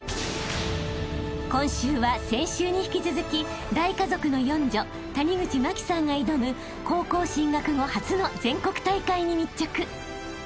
［今週は先週に引き続き大家族の四女谷口茉輝さんが挑む高校進学後初の全国大会に密着］